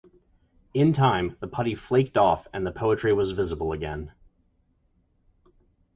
In time, the putty flaked off and the poetry was visible again.